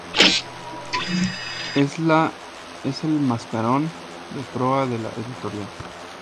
Es el mascarón de proa de la editorial.